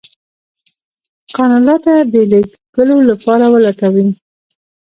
کاناډا ته د لېږلو لپاره ولټوي.